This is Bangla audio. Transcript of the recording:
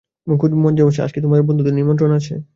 মুখুজ্যেমশায়, আজ কি তোমার বন্ধুদের নিমন্ত্রণ আছে?